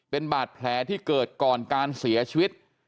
เป็นบาดแผลที่เกิดก่อนการเสียชีวิต